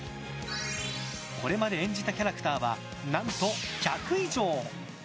これまで演じたキャラクターは何と１００以上！